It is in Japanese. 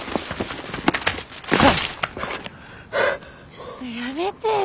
ちょっとやめてよ。